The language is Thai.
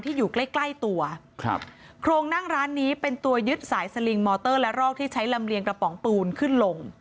อยู่ใกล้ใกล้ตัวครับโครงนั่งร้านนี้เป็นตัวยึดสายสลิงมอเตอร์และรอกที่ใช้ลำเลียงกระป๋องปูนขึ้นลง